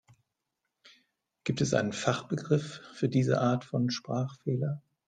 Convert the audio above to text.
Gibt es einen Fachbegriff für diese Art von Sprachfehler?